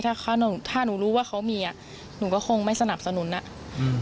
ถ้าเขาถ้าหนูรู้ว่าเขามีอ่ะหนูก็คงไม่สนับสนุนอ่ะอืม